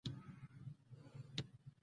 غواوې د تکاملي لید له مخې بریالۍ دي.